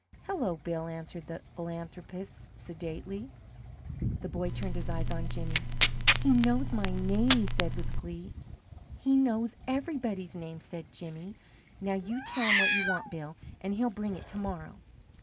"Hello, Bill!" answered the philanthropist, sedately. The boy turned his eyes on Jimmy. "He knows my name," he said, with glee. "He knows everybody's name," said Jimmy. "Now you tell him what you want, Bill, and he'll bring it to morrow.